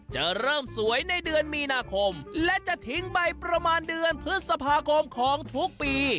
จะเริ่มสวยในเดือนมีนาคมและจะทิ้งไปประมาณเดือนพฤษภาคมของทุกปี